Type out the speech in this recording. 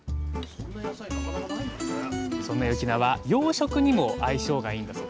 そんな雪菜は洋食にも相性がいいんだそうです。